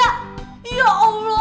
ya allah alhamdulillah